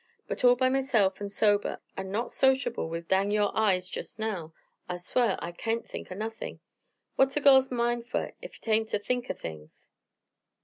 But all by myself, an' sober, an' not sociable with Dang Yore Eyes jest now, I sw'ar, I kain't think o' nothin'. What's a girl's mind fer ef hit hain't to think o' things?"